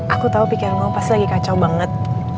aku tahu pikiranmu pasti kacau banget